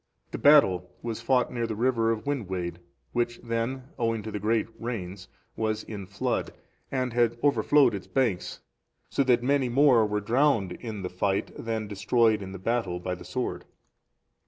The battle was fought near the river Winwaed,(437) which then, owing to the great rains, was in flood, and had overflowed its banks, so that many more were drowned in the flight than destroyed in battle by the sword.